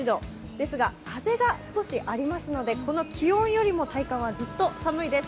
ですが風が少しありますのでこの気温よりも体感はずっと寒いです。